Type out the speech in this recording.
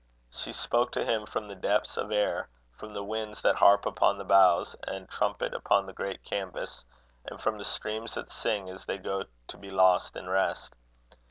She spoke to him from the depths of air, from the winds that harp upon the boughs, and trumpet upon the great caverns, and from the streams that sing as they go to be lost in rest.